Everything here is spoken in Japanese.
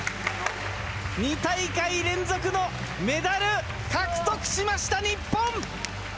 ２大会連続のメダル獲得しました、日本。